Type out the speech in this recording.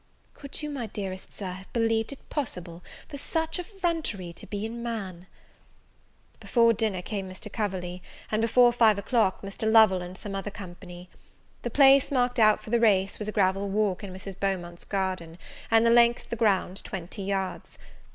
Could you, my dearest Sir, have believed it possible for such effrontery to be in man? Before dinner came Mr. Coverley, and, before five o'clock, Mr. Lovel and some other company. The place marked out for the race, was a gravel walk in Mrs. Beaumont's garden, and the length of the ground twenty yards.